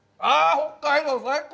北海道最高！